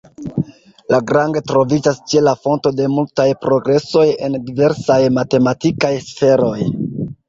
Lagrange troviĝas ĉe la fonto de multaj progresoj en diversaj matematikaj sferoj.